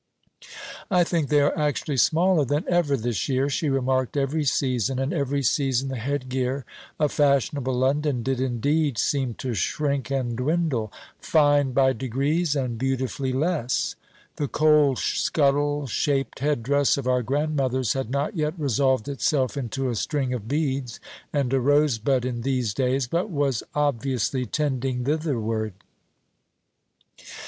"I think they are actually smaller than ever this year," she remarked every season; and every season the headgear of fashionable London did indeed seem to shrink and dwindle, "fine by degrees, and beautifully less." The coalscuttle shaped headdress of our grandmothers had not yet resolved itself into a string of beads and a rosebud in these days, but was obviously tending thitherward.